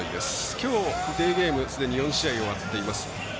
きょう、デーゲームすでに４試合終わっています。